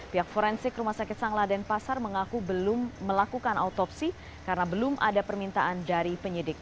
pihak forensik rumah sakit sangladen pasar mengaku belum melakukan autopsi karena belum ada permintaan dari penyidik